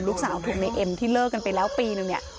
ลูกสาวถูกในเอ็มที่เลิกกันไปแล้วปีนึงเนี่ย